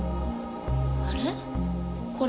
あれ？